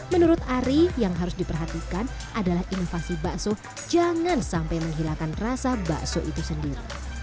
menurut ari yang harus diperhatikan adalah inovasi bakso jangan sampai menghilangkan rasa bakso itu sendiri